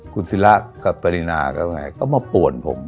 คุณศีละก็ปารินาก็ทำไงก็มาปวดผม